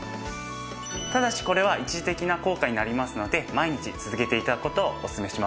ただしこれは一時的な効果になりますので毎日続けて頂く事をおすすめします。